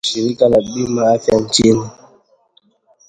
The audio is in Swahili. Shirika la bima ya afya nchini